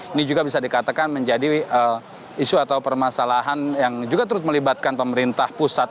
ini juga bisa dikatakan menjadi isu atau permasalahan yang juga terus melibatkan pemerintah pusat